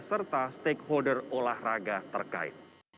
serta stakeholder olahraga terkait